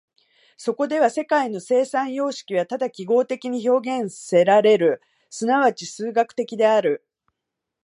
そこでは世界の生産様式はただ記号的に表現せられる、即ち数学的である。